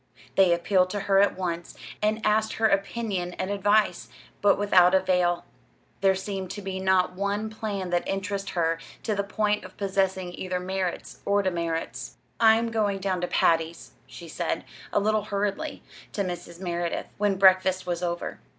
They appealed to her at once, and asked her opinion and advice but without avail. There seemed to be not one plan that interested her to the point of possessing either merits or demerits. "I am going down to Patty's," she said, a little hurriedly, to Mrs. Merideth, when breakfast was over.